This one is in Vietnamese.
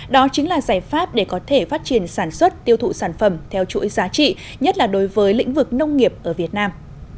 đó chính là giải pháp để có thể phát triển sản xuất tiêu thụ sản phẩm theo chuỗi giá trị nhất là đối với lĩnh vực nông nghiệp ở việt nam